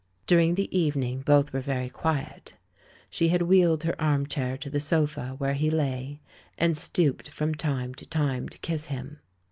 During the evening both were very quiet. She had wheeled her armchair to the sofa where he lay, and stooped from time to time to kiss him.